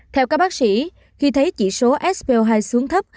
theo các bác sĩ khi thấy chỉ số sp hai xuống thấp